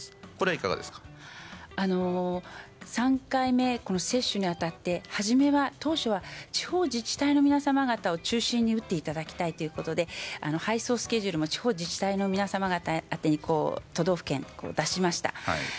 ３回目接種に当たって、当初は地方自治体の皆様方を中心に打っていただきたいということで配送スケジュールを地方自治体の皆様方宛てに都道府県、出しました。